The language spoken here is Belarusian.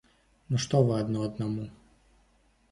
Ну, што вы адно аднаму?!